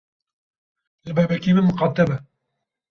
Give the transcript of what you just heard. Li bebekê miqate be.